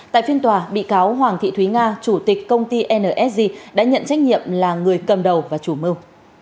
tại phiên tòa bị cáo hoàng thị thúy nga chủ tịch công ty nsg đã nhận trách nhiệm là người cầm đầu và chủ mưu